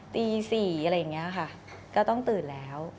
ตี๔อะไรอย่างนี้ค่ะก็ต้องตื่นแล้ว